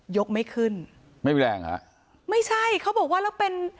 กไม่ขึ้นไม่แรงฮะไม่ใช่เขาบอกว่าแล้วเป็น